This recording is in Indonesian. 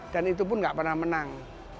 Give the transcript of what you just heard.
dan itu pun gak pernah menang